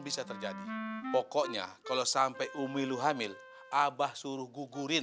bisa terjadi pokoknya kalau sampai umi lu hamil abah suruh gugurin